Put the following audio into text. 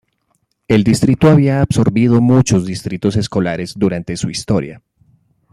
El distrito había absorbido muchos distritos escolares durante su historia.